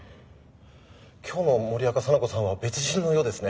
今日の森若沙名子さんは別人のようですね。